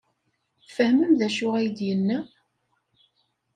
Tfehmem d acu ay d-yenna?